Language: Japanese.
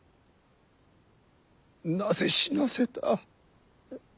なぜ死なせた。